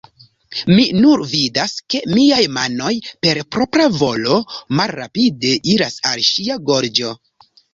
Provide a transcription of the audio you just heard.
Mi nur vidas, ke miaj manoj, per propra volo, malrapide iras al ŝia gorĝo...